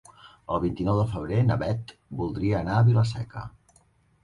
El vint-i-nou de febrer na Beth voldria anar a Vila-seca.